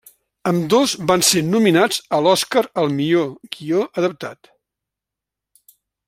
Ambdós van ser nominats a l'Oscar al millor guió adaptat.